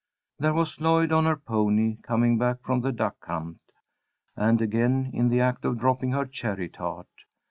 There was Lloyd on her pony, coming back from the duck hunt, and again in the act of dropping her cherry tart.